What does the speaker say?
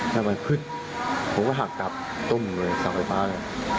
แล้วมันขึ้นผมก็หักกลับต้มเลยเสาไฟฟ้าเลย